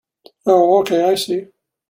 Oh okay, I see.